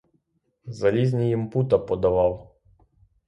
Залізні їм пута подавав.